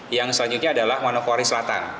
yang selanjutnya adalah manokwari selatan